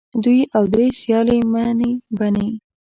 دوې او درې سیالې مې بنې